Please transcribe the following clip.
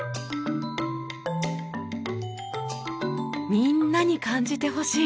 みんなに感じてほしい。